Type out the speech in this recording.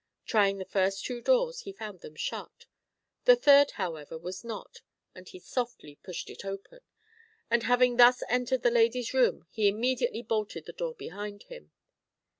Trying the first two doors, he found them shut; the third, however, was not, and he softly pushed it open. And having thus entered the lady's room, he imme diately bolted the door behind him.